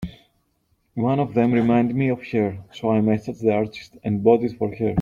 One of them reminded me of her, so I messaged the artist and bought it for her.